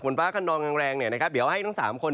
ฟ้าขนองแรงเนี่ยนะครับเดี๋ยวให้ทั้ง๓คน